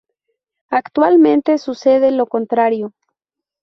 Actualmente sucede lo contrario.